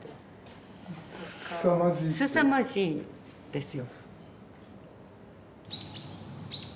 すさまじいですよ。